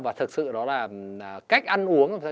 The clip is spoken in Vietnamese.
và thật sự đó là cách ăn uống